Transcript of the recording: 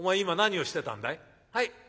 今何をしてたんだい？」。